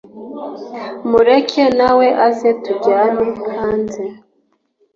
mureke nawe aze tujyane hanze